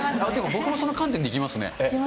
僕もその観点で行きますね。